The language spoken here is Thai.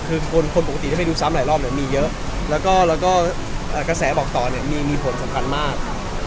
คือคนปกติได้ไปดูซ้ำหลายรอบมีเยอะแล้วก็กระแสบอกต่อมีผลสำคัญมาก